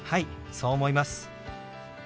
そう思います。